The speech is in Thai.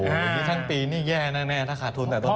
โอ้โหทั้งปีนี่แย่แน่ถ้าขาดทุนแต่ต้นปี